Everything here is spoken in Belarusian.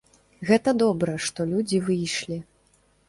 Гэта добра, што людзі выйшлі.